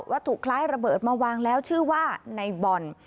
ถูกคล้ายระเบิดมาวางแล้วชื่อว่าในบ่อน